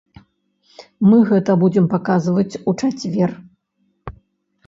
Мы гэта будзем паказваць у чацвер.